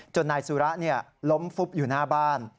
นายสุระล้มฟุบอยู่หน้าบ้าน